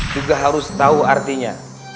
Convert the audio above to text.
juga harus tahu artinya